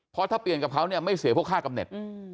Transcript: เพราะถ้าเปลี่ยนกับเขาเนี่ยไม่เสียพวกค่ากำเน็ต